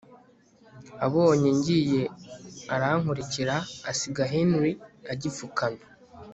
abonye ngiye arankurikira asiga Henry agipfukamye